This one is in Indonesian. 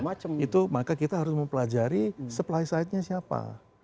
maka itu maka kita harus mempelajari supply side nya siapa